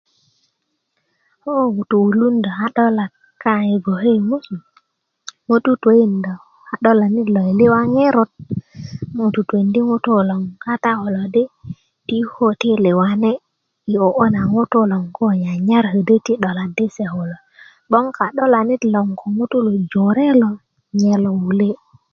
ko ŋutú wulundá ka'dolak kaŋ i gboke ni ŋutú tukäkindä ka'dolanit lo i liwa ŋerot a ŋutú tukäkindi ŋutú lo kata kulo di ti ko ti liwani i oo na ŋutú loŋ ko nyanyar naŋ di ti 'dola di se kulo 'boŋ ka'dolanit lo gboŋ ko ŋutú jore lo nye lo wule